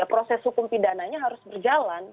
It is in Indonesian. proses hukum pidananya harus berjalan